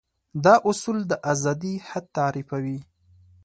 دا اصول د ازادي حد تعريفوي.